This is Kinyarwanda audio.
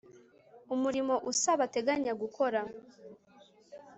umurimo usaba ateganya gukora